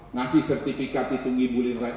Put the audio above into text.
ngasih sertifikat itu ngibulin rakyat